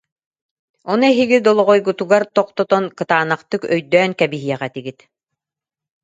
Ону эһиги долоҕойгутугар тохтотон, кытаанахтык өйдөөн кэбиһиэх этигит